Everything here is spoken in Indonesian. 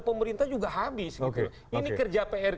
pemerintah juga habis ini kerja pr